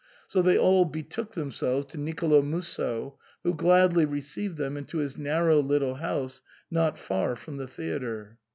So they all betook themselves to Nicolo Musso, who gladly received them into his narrow little house not far from the theatre.